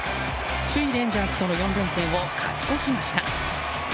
首位レンジャーズとの４連戦を勝ち越しました。